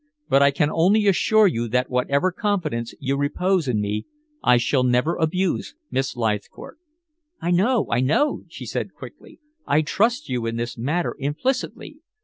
"But I can only assure you that whatever confidence you repose in me, I shall never abuse, Miss Leithcourt." "I know, I know!" she said quickly. "I trust you in this matter implicitly.